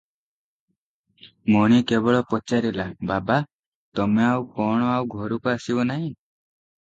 ମଣି କେବଳ ପଚାରିଲା "ବାବା! ତମେ ଆଉ କଣ ଆଉ ଘରକୁ ଆସିବ ନାହିଁ?